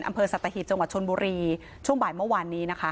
อำเภอสัตหีบจังหวัดชนบุรีช่วงบ่ายเมื่อวานนี้นะคะ